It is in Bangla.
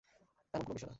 এমন কোন বিষয় না।